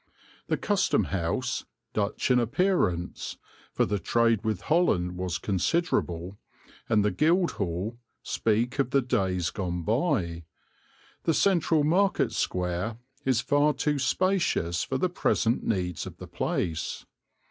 The Custom house, Dutch in appearance (for the trade with Holland was considerable), and the Guildhall speak of the days gone by; the central market square is far too spacious for the present needs of the place.